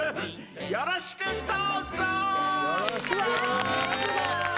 よろしくどうぞ。